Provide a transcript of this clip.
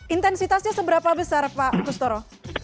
intensitasnya seberapa besar pak kustoro